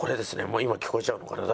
もう今聞こえちゃうのかな？